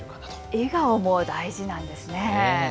笑顔も大事なんですね。